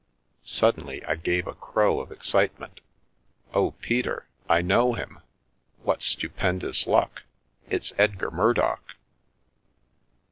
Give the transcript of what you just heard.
Suddenly I gave a crow of excitement. " Oh, Peter, I know him ! What stupendous luck ! It's Edgar Murdock."